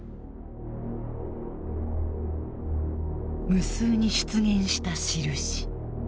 無数に出現した印。